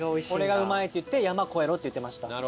これがうまいと言って山越えろって言ってました。